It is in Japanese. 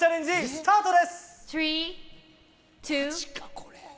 スタートです。